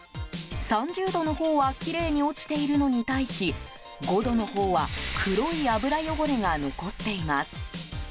３０度のほうはきれいに落ちているのに対し５度のほうは黒い油汚れが残っています。